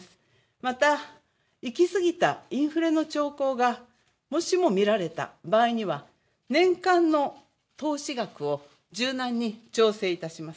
また、行き過ぎたインフレの兆候がもしもが出た場合には年間の投資額を柔軟に調整いたします。